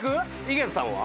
井桁さんは？